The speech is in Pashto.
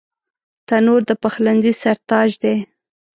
تنور د پخلنځي سر تاج دی